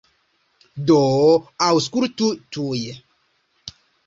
Do, aŭskultu tuj!